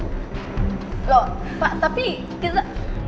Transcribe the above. loh pak tapi kita